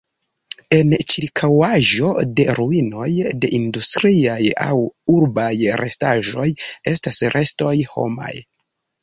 En ĉirkaŭaĵo de ruinoj de industriaj aŭ urbaj restaĵoj estas restoj homaj.